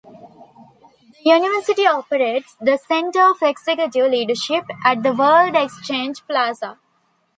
The university operates the Centre for Executive Leadership at the World Exchange Plaza.